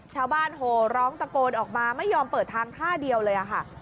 โหร้องตะโกนออกมาไม่ยอมเปิดทางท่าเดียวเลยค่ะ